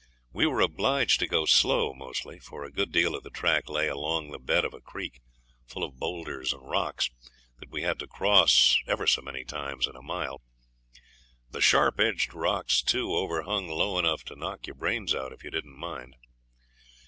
We were obliged to go slow mostly for a good deal of the track lay along the bed of a creek, full of boulders and rocks, that we had to cross ever so many times in a mile. The sharp edged rocks, too, overhung low enough to knock your brains out if you didn't mind.